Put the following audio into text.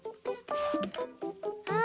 あ